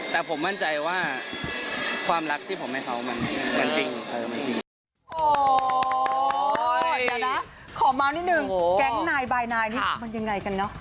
แต่ผมมั่นใจว่าความรักที่ผมให้เขามันจริง